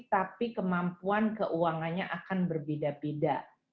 tapi kemampuan keuangannya akan berbeda beda